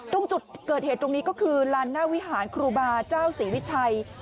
ตรงจุดเกิดเหตุตรงนี้ก็คือลานหน้าวิหารครูบาเจ้าศรีวิชัย